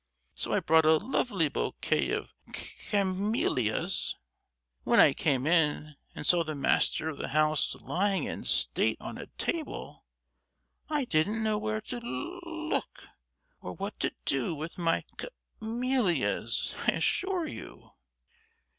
So I brought a lovely bouquet of cam—ellias! When I came in and saw the master of the house lying in state on a table, I didn't know where to lo—ok, or what to do with my ca—mellias, I assure you!"